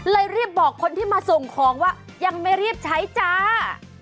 รีบบอกคนที่มาส่งของว่ายังไม่รีบใช้จ้า